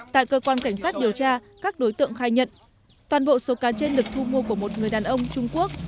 tại cơ quan cảnh sát điều tra các đối tượng khai nhận toàn bộ số cá trên được thu mua của một người đàn ông trung quốc